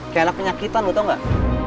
kayak anak penyakitan lu tau gak